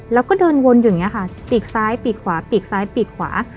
แล้วก็เดินวนอยู่อย่างนี้ค่ะปีกซ้ายปีกขวาปีกซ้ายปีกขวา